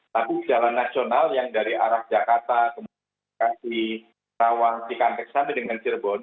tapi jalan nasional yang dari arah jakarta kemudian ke kasi tawang cikangtex sampai dengan cirebon